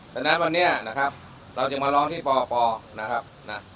ฉะนั้นวันนี้นะครับเราจึงมาร้องที่ปปนะครับนะ